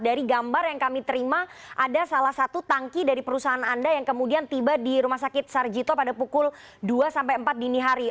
dari gambar yang kami terima ada salah satu tangki dari perusahaan anda yang kemudian tiba di rumah sakit sarjito pada pukul dua sampai empat dini hari